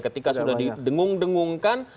ketika sudah didengung dengungkan